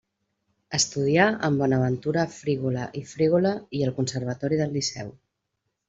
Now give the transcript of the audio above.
Estudià amb Bonaventura Frígola i Frígola i al conservatori del Liceu.